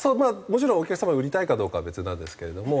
もちろんお客様が売りたいかどうかは別なんですけれども。